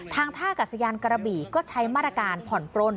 ทางทท่ากลักษณ์กระบีก็ใช้มาตรการผ่อนปล้น